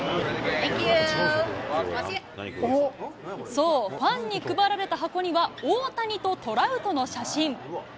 そう、ファンに配られた箱には、大谷とトラウトの写真。